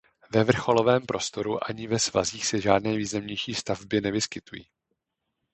Ve vrcholovém prostoru ani ve svazích se žádné významnější stavby nevyskytují.